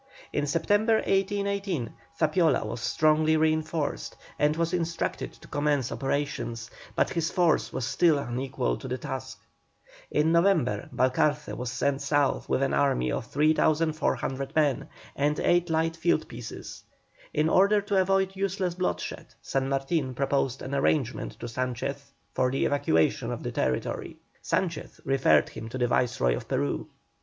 In September, 1818, Zapiola was strongly reinforced and was instructed to commence operations, but his force was still unequal to the task. In November Balcarce was sent south with an army of 3,400 men and eight light field pieces. In order to avoid useless bloodshed, San Martin proposed an arrangement to Sanchez for the evacuation of the territory. Sanchez referred him to the Viceroy of Peru.